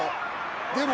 でも。